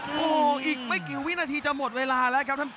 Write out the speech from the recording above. โอ้โหอีกไม่กี่วินาทีจะหมดเวลาแล้วครับท่านผู้